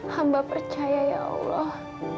hamba percaya ya allah